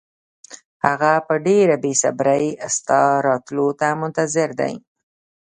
هغه په ډېره بې صبرۍ ستا راتلو ته منتظر دی.